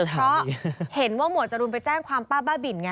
เพราะเห็นว่าหมวดจรูนไปแจ้งความป้าบ้าบินไง